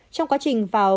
trong quá trình vào